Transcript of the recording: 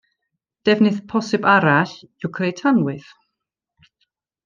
Defnydd posibl arall yw creu tanwydd.